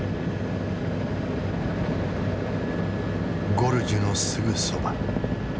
ゴルジュのすぐそば。